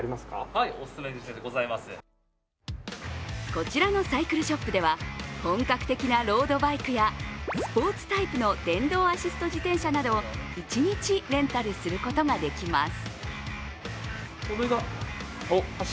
こちらのサイクルショップでは本格的なロードバイクやスポーツタイプの電動アシスト自転車などを一日レンタルすることができます。